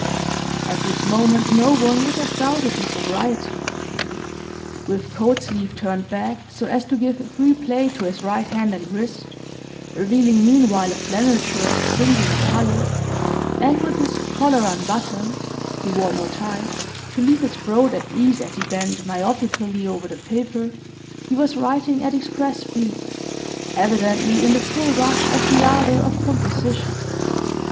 At this moment no one would have doubted his sobriety. With coat sleeve turned back, so as to give free play to his right hand and wrist, revealing meanwhile a flannel shirt of singular colour, and with his collar unbuttoned (he wore no tie) to leave his throat at ease as he bent myopically over the paper, he was writing at express speed, evidently in the full rush of the ardour of composition.